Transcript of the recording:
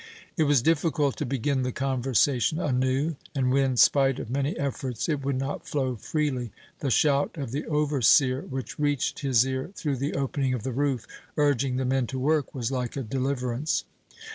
It was difficult to begin the conversation anew, and when, spite of many efforts, it would not flow freely, the shout of the overseer, which reached his ear through the opening of the roof, urging the men to work, was like a deliverance.